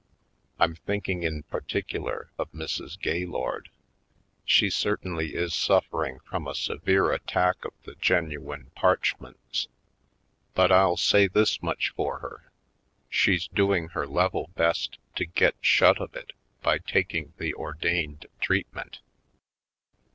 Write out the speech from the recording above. I'm thinking in particular of Mrs. Gaylord. She certainly is suffering from a severe attack of the genuine parch ments. But I'll say this much for her — she's doing her level best to get shut of it by taking the ordained treatment.